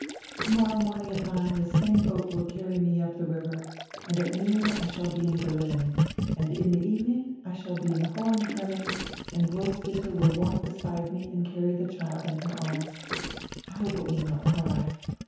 "Tomorrow morning at nine the same boat will take me up die river, and at noon I shall be in Berlin, and in die evening I shall be in Hohen Cremmen, and Roswitha will walk beside me and carry die child in her arms. I hope it will not cry.